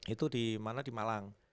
itu dimana di malang